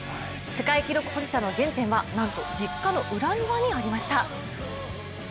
世界記録保持者の原点は、なんと実家の裏庭にありました。